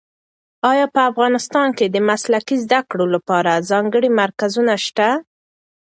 ایا په افغانستان کې د مسلکي زده کړو لپاره ځانګړي مرکزونه شته؟